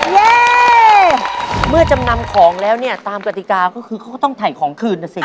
เย่เมื่อจำนำของแล้วเนี่ยตามกติกาก็คือเขาก็ต้องถ่ายของคืนนะสิ